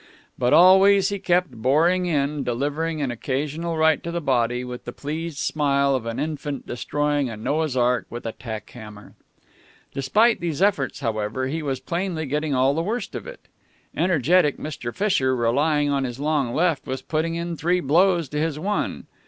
But always he kept boring in, delivering an occasional right to the body with the pleased smile of an infant destroying a Noah's ark with a tack hammer. Despite these efforts, however, he was plainly getting all the worst of it. Energetic Mr. Fisher, relying on his long left, was putting in three blows to his one.